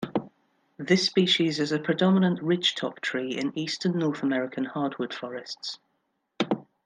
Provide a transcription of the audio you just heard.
This species is a predominant ridge-top tree in eastern North American hardwood forests.